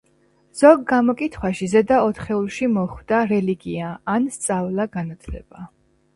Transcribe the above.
ზოგ გამოკითხვაში ზედა ოთხეულში მოხვდა რელიგია, ან სწავლა-განათლება.